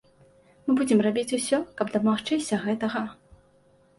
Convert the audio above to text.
Мы будзем рабіць усё, каб дамагчыся гэтага.